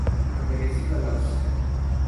انگریزی کا لفظ ہے۔